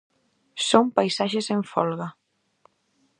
Son paisaxes en folga.